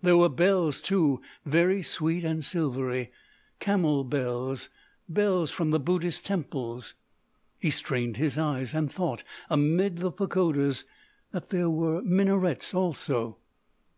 There were bells, too—very sweet and silvery—camel bells, bells from the Buddhist temples. He strained his eyes, and thought, amid the pagodas, that there were minarets, also.